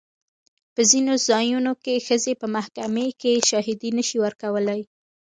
په ځینو ځایونو کې ښځې په محکمې کې شاهدي نه شي ورکولی.